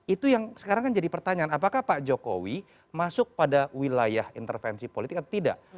itu yang sekarang kan jadi pertanyaan apakah pak jokowi masuk pada wilayah intervensi politik atau tidak